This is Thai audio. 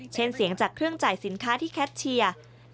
เช่นเสียงจากเครื่องจ่ายสินค้าที่แคทเชียร์